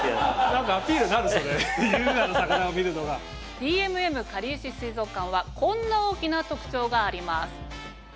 ＤＭＭかりゆし水族館はこんな大きな特徴があります。